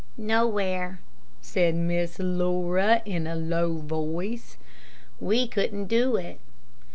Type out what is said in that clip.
"Nowhere," said Miss Laura, in a low voice; "we couldn't do it."